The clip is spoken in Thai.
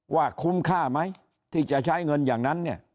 ว่าคุ้มค่าไหมที่จะใช้เงินอย่างนั้นเนี่ย